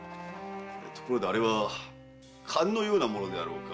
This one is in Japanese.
ところであれは勘のようなものであろうか？